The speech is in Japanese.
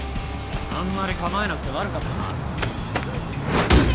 あんまり構えなくて悪かったな。